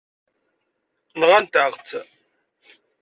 Nɣant-aɣ-tt.